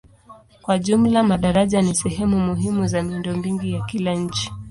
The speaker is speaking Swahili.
Kwa jumla madaraja ni sehemu muhimu za miundombinu ya kila nchi.